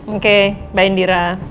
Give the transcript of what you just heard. oke bye indira